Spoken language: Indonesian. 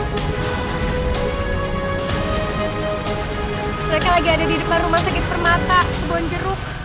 mereka lagi ada di depan rumah sakit permata kebonjeruk